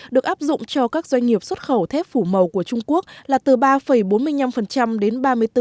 được áp dụng cho các doanh nghiệp xuất khẩu thép phủ màu của trung quốc là từ ba bốn mươi năm đến ba mươi bốn hai mươi bảy